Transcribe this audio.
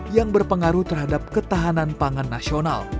yang berpengaruh terhadap ketahanan pangan nasional